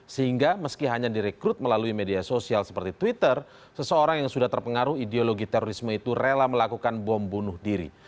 sehingga meski hanya direkrut melalui media sosial seperti twitter seseorang yang sudah terpengaruh ideologi terorisme itu rela melakukan bom bunuh diri